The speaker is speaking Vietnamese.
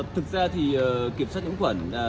thực ra thì kiểm soát những khuẩn